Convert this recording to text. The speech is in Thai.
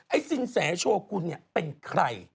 ไอ้สินแสโชว์กูเนี่ยเป็นใคร